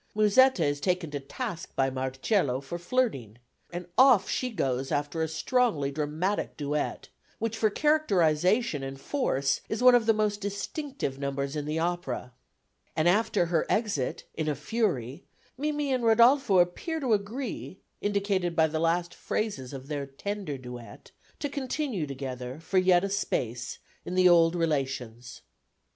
Musetta is taken to task by Marcel for flirting, and off she goes after a strongly dramatic duet, which for characterisation and force is one of the most distinctive numbers in the opera; and after her exit, in a fury, Mimi and Rodolfo appear to agree, indicated by the last phrases of their tender duet, to continue together, for yet a space, in the old relations.